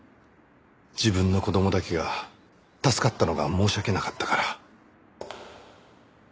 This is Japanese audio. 自分の子供だけが助かったのが申し訳なかったから。